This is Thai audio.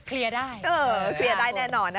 เคลียร์ได้